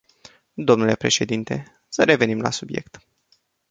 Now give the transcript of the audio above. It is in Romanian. Dle președinte, să revenim la subiect.